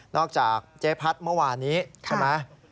จากเจ๊พัดเมื่อวานนี้ใช่ไหม